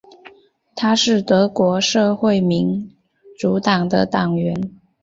他是德国社会民主党的党员。